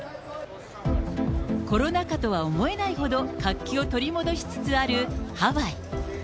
コロナ禍とは思えないほど、活気を取り戻しつつあるハワイ。